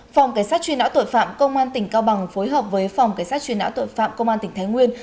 phòng cảnh sát truy nã tội phạm công an tỉnh cao bằng phối hợp với phòng cảnh sát truy nã tội phạm công an tỉnh thái nguyên